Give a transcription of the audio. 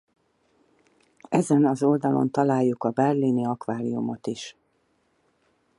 Ezen az oldalon találjuk a Berlini Akváriumot is.